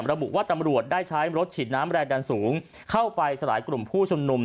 ระบุว่าตำรวจได้ใช้รถฉีดน้ำแรงดันสูงเข้าไปสลายกลุ่มผู้ชุมนุม